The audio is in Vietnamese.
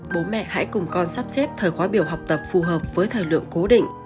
bố mẹ hãy cùng con sắp xếp thời khóa biểu học tập phù hợp với thời lượng cố định